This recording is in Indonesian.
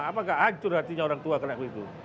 apakah hancur hatinya orang tua kena begitu